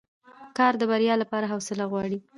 کار د بریا لپاره حوصله غواړي